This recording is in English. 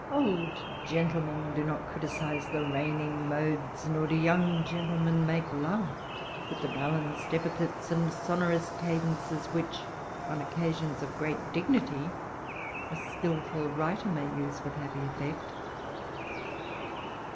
Old gentlemen do not criticise the reigning modes, nor do young gentlemen make love, with the balanced epithets and sonorous cadences which, on occasions of great dignity, a skilful writer may use with happy effect.